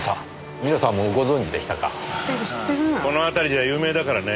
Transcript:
この辺りじゃ有名だからね。